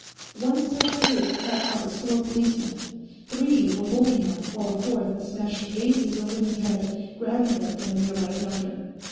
One such group had caught a store policeman; three were holding him while a fourth smashed vases over his head, grabbing them from a nearby counter.